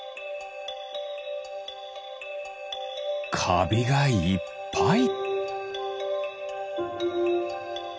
かびがいっぱい。